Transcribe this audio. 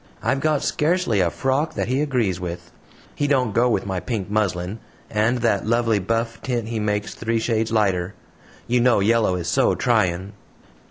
I've got scarcely a frock that he agrees with. He don't go with my pink muslin, and that lovely buff tint he makes three shades lighter. You know yellow is SO trying."